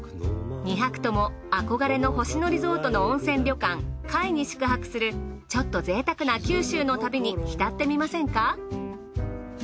２泊とも憧れの星野リゾートの温泉旅館界に宿泊するちょっと贅沢な九州の旅に浸ってみませんか。